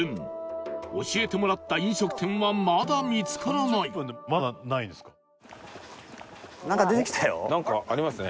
教えてもらった飲食店はまだ見つからないなんかありますね。